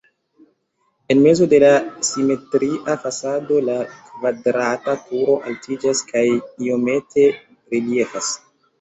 En mezo de la simetria fasado la kvadrata turo altiĝas kaj iomete reliefas.